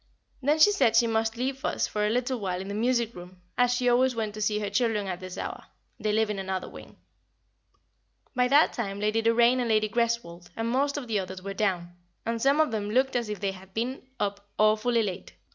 Then she said she must leave us for a little in the music room, as she always went to see her children at this hour they live in another wing. [Sidenote: Gossip] By that time Lady Doraine and Lady Greswold, and most of the others were down, and some of them looked as if they had been up awfully late.